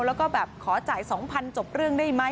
แล้วก็แบบขอจ่าย๒๐๐จบเรื่องได้ไหม